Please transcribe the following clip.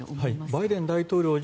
バイデン大統領が。